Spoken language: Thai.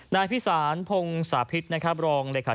นายพิศาลพงสภิษฐ์ลองหลักขาธิการสำนักงาน